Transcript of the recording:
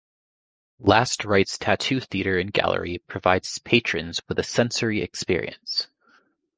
Last Rites Tattoo Theatre and Gallery provides its patrons with a sensory experience.